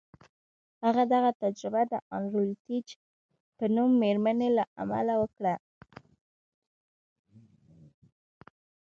هغه دغه تجربه د ان روتلیج په نوم مېرمنې له امله وکړه